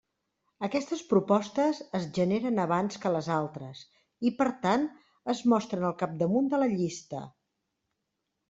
Aquestes propostes es generen abans que les altres i per tant es mostren al capdamunt de la llista.